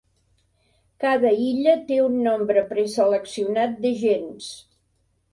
Cada illa té un nombre preseleccionat d'agents.